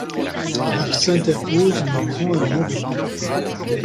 Il s'interpose mais prend un mauvais coup.